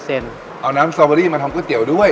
เอาน้ำสตอเบอรี่มาทำก๋วยเตี๋ยวด้วย